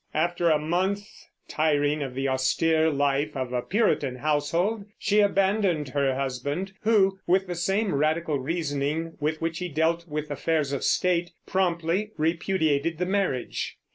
After a month, tiring of the austere life of a Puritan household, she abandoned her husband, who, with the same radical reasoning with which he dealt with affairs of state, promptly repudiated the marriage.